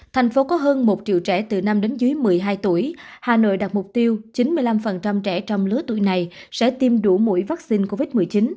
thành phố có hơn một triệu trẻ từ năm đến dưới một mươi hai tuổi hà nội đặt mục tiêu chín mươi năm trẻ trong lứa tuổi này sẽ tiêm đủ mũi vaccine covid một mươi chín